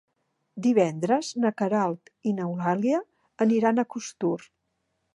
Divendres na Queralt i n'Eulàlia aniran a Costur.